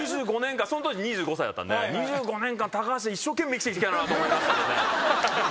その当時２５歳だったんで２５年間橋で一生懸命生きてきたよなと思いましたけどね。